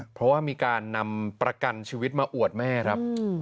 เพราะว่ามีการนำประกันชีวิตมาอวดแม่ครับ